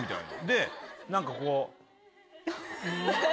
で何かこう「ん」。